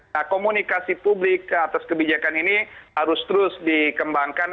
nah komunikasi publik atas kebijakan ini harus terus dikembangkan